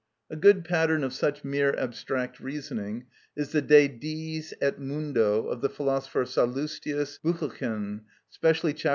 A good pattern of such mere abstract reasoning is the "De Diis et Mundo" of the philosopher Sallustius Büchelchen; especially chaps.